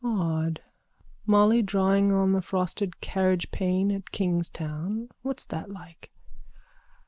_) Odd! Molly drawing on the frosted carriagepane at Kingstown. What's that like?